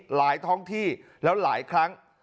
ท้องที่แล้วหลายครั้ง